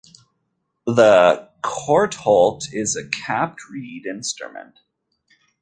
The kortholt is a "capped reed" instrument.